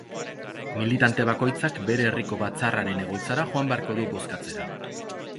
Militante bakoitzak bere herriko batzarraren egoitzara joan beharko du bozkatzera.